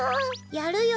やるよ